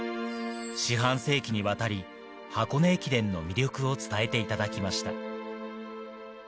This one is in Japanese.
四半世紀にわたり箱根駅伝の魅力を伝えていただきました。